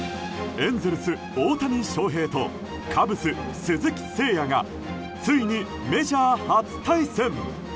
エンゼルス、大谷翔平とカブス、鈴木誠也がついにメジャー初対戦。